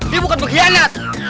dia bukan pengkhianat